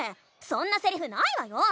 そんなセリフないわよ！